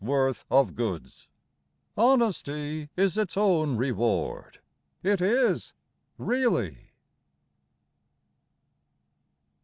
worth of goods. Honesty is its own reward It is really.